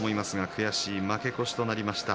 悔しい負け越しとなりました。